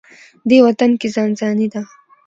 دې وطن کې ځان ځاني ده.